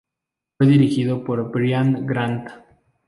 Fue dirigido por Brian Grant.